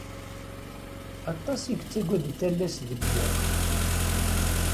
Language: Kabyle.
Aṭas i ittagaden tallast deg yiḍ.